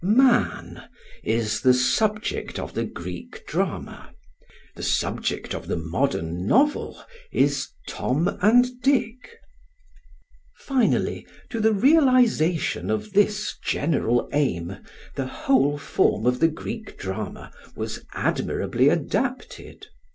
Man is the subject of the Greek drama; the subject of the modern novel is Tom and Dick. Finally, to the realisation of this general aim, the whole form of the Greek drama was admirably adapted.